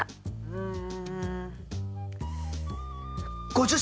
うん。